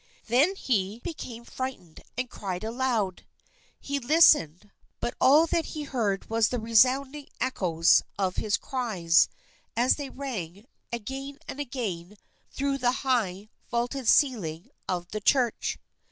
Then he became frightened and cried aloud. He listened, but all that he heard was the resounding echoes of his cries, as they rang, again and again, through the high, vaulted ceiling of the church.